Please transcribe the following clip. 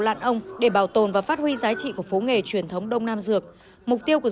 lạn ông để bảo tồn và phát huy giá trị của phố nghề truyền thống đông nam dược mục tiêu của